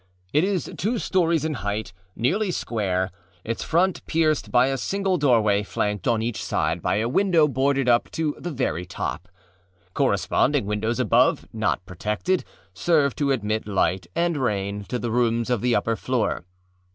It is two stories in height, nearly square, its front pierced by a single doorway flanked on each side by a window boarded up to the very top. Corresponding windows above, not protected, serve to admit light and rain to the rooms of the upper floor.